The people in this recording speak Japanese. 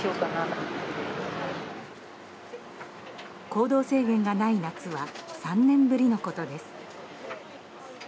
行動制限がない夏は３年ぶりのことです。